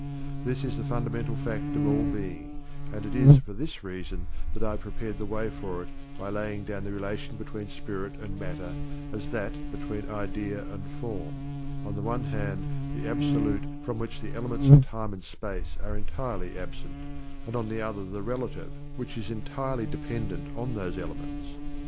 This is the fundamental fact of all being, and it is for this reason that I have prepared the way for it by laying down the relation between spirit and matter as that between idea and form, on the one hand the absolute from which the elements of time and space are entirely absent, and on the other the relative which is entirely dependent on those elements.